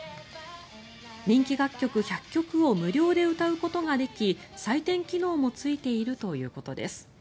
人気楽曲１００曲を無料で歌うことができ採点機能もついているということです。